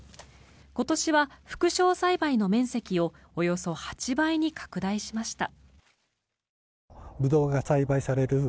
今年は副梢栽培の面積をおよそ８倍に拡大しました。